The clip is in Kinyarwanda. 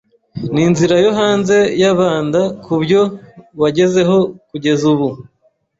Ninzira yo hanze yabanda kubyo wagezeho kugeza ubu?